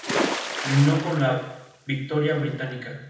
Como pensadora independiente, se interesó por el comunismo.